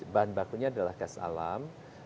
bahan bakunya adalah gas alam